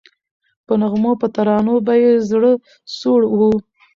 په نغمو په ترانو به یې زړه سوړ وو